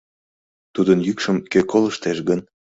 Тудын йӱкшым кӧ колыштеш гын?